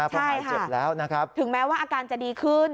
ใช่ค่ะถึงแม้ว่าอาการจะดีขึ้น